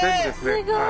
すごい。